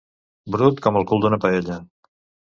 Brut com el cul d'una paella.